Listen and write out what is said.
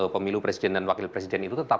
pemilu presiden dan wakil presiden itu tetap